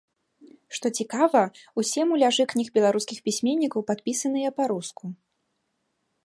Што цікава, усе муляжы кніг беларускіх пісьменнікаў падпісаныя па-руску.